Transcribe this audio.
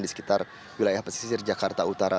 di sekitar wilayah pesisir jakarta utara